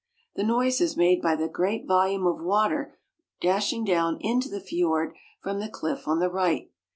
The noise is made by that great volume of water dashing down into the fiord from the cliff on the right.